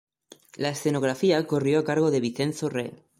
La escenografía corrió a cargo de Vincenzo Re.